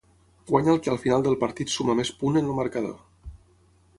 Guanya el que al final del partit suma més punt en el marcador.